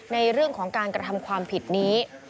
ในเรื่องของการกระทำความผิดนี้